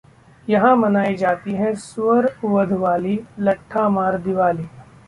यहां मनाई जाती है सुअर वध वाली लट्ठमार दिवाली